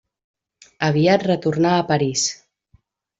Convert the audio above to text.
Aviat retornà a París.